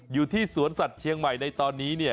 อยู่ที่สวนสัตว์เชียงใหม่ในตอนนี้เนี่ย